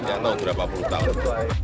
nggak tahu berapa puluh tahun